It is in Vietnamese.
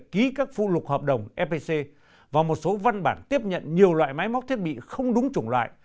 ký các phụ lục hợp đồng epc và một số văn bản tiếp nhận nhiều loại máy móc thiết bị không đúng chủng loại